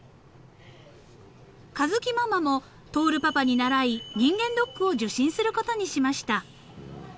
［佳月ママも亨パパに倣い人間ドックを受診することにしました］